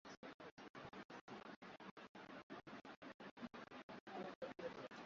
Daudi alikata vazi la Sauli kisha akamuonyesha.